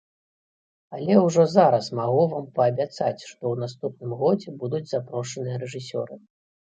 Але ўжо зараз магу вам паабяцаць, што ў наступным годзе будуць запрошаныя рэжысёры.